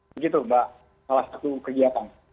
begitu mbak salah satu kegiatan